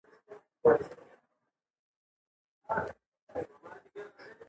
اختلاف د ټولنې طبیعي برخه ده